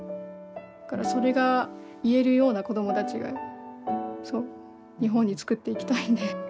だからそれが言えるような子供たちがそう日本につくっていきたいんで。